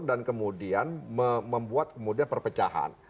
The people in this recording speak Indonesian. dan kemudian membuat perpecahan